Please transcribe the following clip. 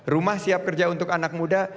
rumah siap kerja untuk anak muda